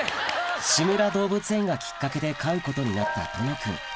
『志村どうぶつ園』がきっかけで飼うことになった殿くん